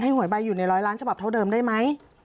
หวยใบอยู่ในร้อยล้านฉบับเท่าเดิมได้ไหม